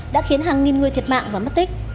đã khiến hàng nghìn người thiệt mạng và mất tích